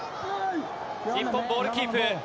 日本、ボールキープ。